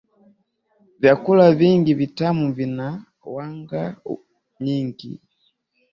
vyakula vingi vitamu vina wanga nyingi